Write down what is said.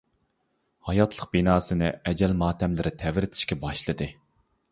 ھاياتلىق بىناسىنى ئەجەل ماتەملىرى تەۋرىتىشكە باشلىدى.